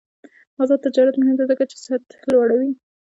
آزاد تجارت مهم دی ځکه چې سطح لوړوي.